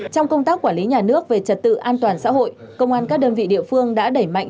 trong công tác quản lý nhà nước về trật tự an toàn xã hội công an các đơn vị địa phương đã đẩy mạnh